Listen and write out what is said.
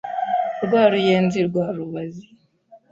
Rwa Ruyenzi rwa Rubazi